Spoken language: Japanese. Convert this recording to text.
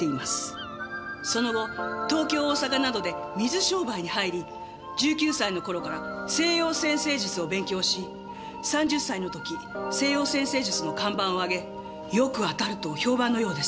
その後東京大阪などで水商売に入り１９歳の頃から西洋占星術を勉強し３０歳の時西洋占星術の看板をあげよく当たると評判のようです。